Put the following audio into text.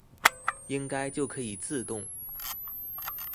應該就可以自動